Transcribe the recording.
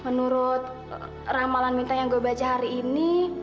menurut ramalan minta yang gue baca hari ini